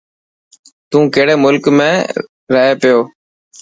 تو ڪهڙي ملڪ ۾ رهي و.